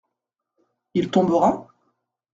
Il tombera ?